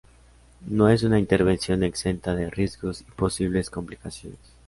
No es una intervención exenta de riesgos y posibles complicaciones.